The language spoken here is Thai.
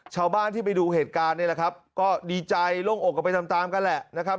ชาวบ้านที่ไปดูเหตุการณ์นี่แหละครับก็ดีใจโล่งอกกันไปตามตามกันแหละนะครับ